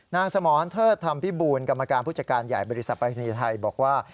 สมรเทิดธรรมพิบูลกรรมการผู้จัดการใหญ่บริษัทปรายศนีย์ไทยบอกว่า